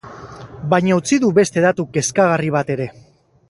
Baina utzi du beste datu kezkagarri bat ere.